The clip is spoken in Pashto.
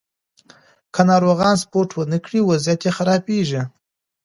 که ناروغان سپورت ونه کړي، وضعیت یې خرابېږي.